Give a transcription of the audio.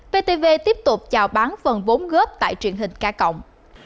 vtv tiếp tục chào bán phần vốn góp tại truyền hình ca cộng